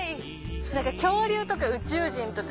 何か恐竜とか宇宙人とか。